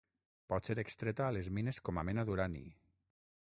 Pot ser extreta a les mines com a mena d'urani.